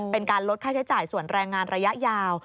เป็นการลดค่าใช้จ่ายส่วนแรงงานระยะยาว